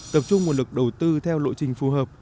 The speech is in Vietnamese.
tập trung nguồn lực đầu tư theo lộ trình phù hợp